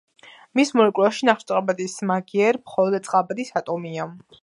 მის მოლეკულაში ნახშირწყალბადის მაგიერ მხოლოდ წყალბადის ატომია.